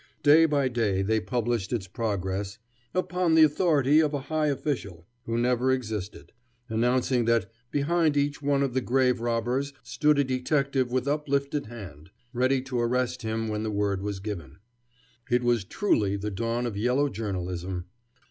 Day by day they published its progress "upon the authority of a high official" who never existed, announcing that "behind each one of the grave robbers stood a detective with uplifted hand" ready to arrest him when the word was given. It was truly the dawn of yellow journalism.